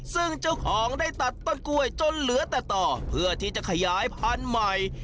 ซึ่งเจ้าของได้ตัดต้นกล้วยจนเหลือแต่ต่อเพื่อที่จะขยายพันธุ์ใหม่